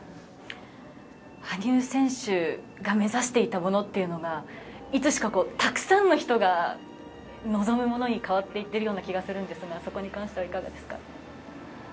羽生選手が目指していたものというのがいつしか、たくさんの人が望むものに変わっていっているような気がするんですがそこに関してはいかがですか。